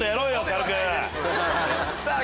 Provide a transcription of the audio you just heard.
軽く。